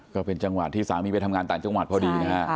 ก็เป็นจังหวะที่สามีไปทำงานต่างจังหวัดพอดีนะฮะ